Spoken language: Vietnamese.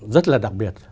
rất là đặc biệt